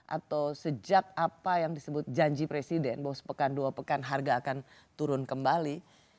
atau sejak apa yang disebut janji presiden bahwa sepekan dua pekan harga akan turun kembali